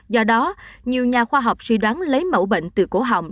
do đó nhiều nhà khoa học suy đoán lấy mẫu bệnh từ cổ họng